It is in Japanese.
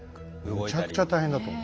むちゃくちゃ大変だと思う。